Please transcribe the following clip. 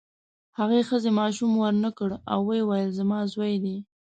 هغې ښځې ماشوم ورنکړ او ویې ویل زما زوی دی.